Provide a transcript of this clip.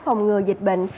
phòng ngừa dịch bệnh